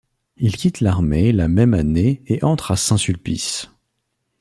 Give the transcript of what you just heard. Il quitte l'armée la même année et entre à Saint-Sulpice.